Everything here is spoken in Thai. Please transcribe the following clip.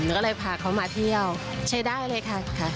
ก็เลยพาเขามาเที่ยวใช้ได้เลยค่ะ